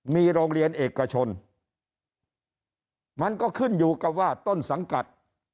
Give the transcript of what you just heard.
มีโรงเรียนเอกชนมันก็ขึ้นอยู่กับว่าต้นสังกัด